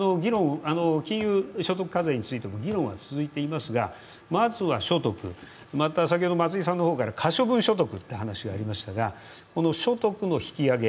金融所得課税についても議論は続いていますがまずは所得、また先ほど松井さんから可処分所得という話がありましたがこの所得の引き上げ